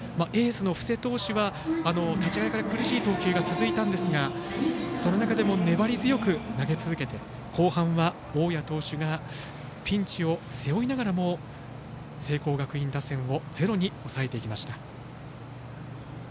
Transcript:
エースの布施投手は立ち上がりから苦しい投球が続いたんですがその中でも粘り強く投げ続けて、後半は大矢投手がピンチを背負いながらも聖光学院打線をゼロに抑えていきました。